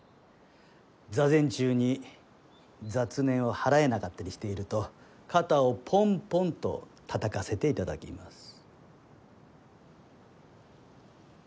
座禅中に雑念を払えなかったりしていると肩をポンポンと叩かせていただきます。